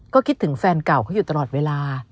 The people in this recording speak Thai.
ก็คิดถึงแฟนเก่าเขาอยู่ตลอดเวลา